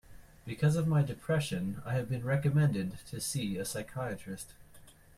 Because of my depression, I have been recommended to see a psychiatrist.